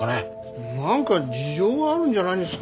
なんか事情があるんじゃないんですか？